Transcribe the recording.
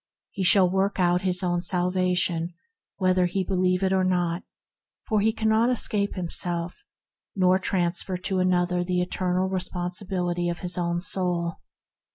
I He shall work out his own salvation whether he believe it or not, for he cannot escape himself nor transfer to another the eternal responsibility of his own soul.